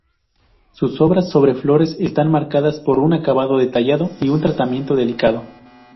Sus obras sobre flores están marcadas por un acabado detallado y un tratamiento delicado.